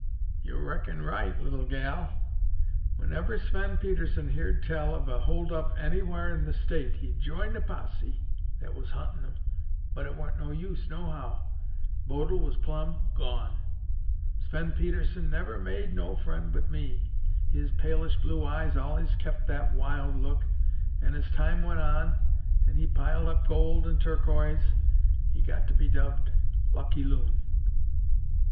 "Yo' reckon right, little gal. Whenever Sven Pedersen heerd tell of a holdup anywhar in the state, he'd join the posse that was huntin' 'em but it warn't no use, nohow. Bodil was plumb gone. Sven Pedersen never made no friend but me. His palish blue eyes allays kept that wild look, an', as time went on an' he piled up gold an' turquoise, he got to be dubbed 'Lucky Loon.